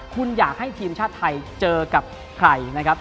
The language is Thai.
คุณอยากให้ทีมชาติไทยเจอกับใครนะครับ